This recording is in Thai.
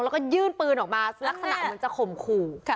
แล้วก็ยื่นปืนออกมาลักษณะมันจะขมคู